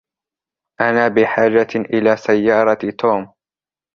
أنا بحاجة إلى سيارة توم.